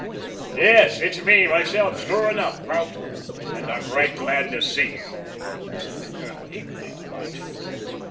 "Yes, it's me, myself, sure enough, Prout; and I'm right glad to see you," said the colonel, equally delighted.